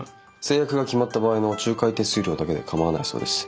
成約が決まった場合の仲介手数料だけで構わないそうです。